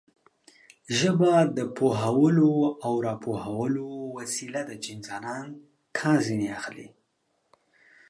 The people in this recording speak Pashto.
ژبه د پوهولو او راپوهولو وسیله ده چې انسانان کار ځنې اخلي.